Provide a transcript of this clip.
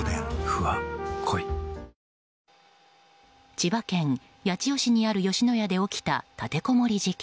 千葉県八千代市にある吉野家で起きた立てこもり事件。